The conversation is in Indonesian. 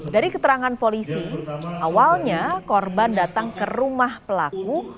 dari keterangan polisi awalnya korban datang ke rumah pelaku